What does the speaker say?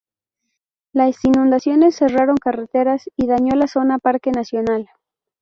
Las inundaciones cerraron carreteras y dañó la zona Parque nacional.